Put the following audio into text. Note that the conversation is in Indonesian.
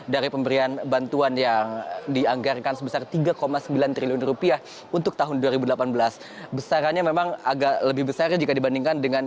dari pemberian pendataan